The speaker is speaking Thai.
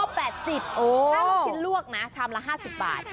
ถ้าลูกชิ้นลวกนะชามละ๕๐บาท